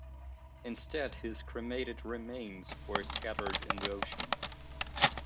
Instead, his cremated remains were scattered in the ocean.